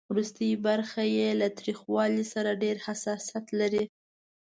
ورستۍ برخه یې له تریخوالي سره ډېر حساسیت لري.